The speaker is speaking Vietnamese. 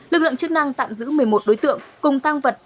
lực lượng chức năng tạm giữ một mươi một đối tượng